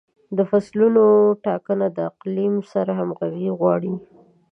د فصلونو ټاکنه د اقلیم سره همغږي غواړي.